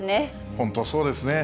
本当、そうですね。